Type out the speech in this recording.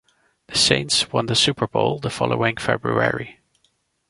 The Saints won the Super Bowl the following February.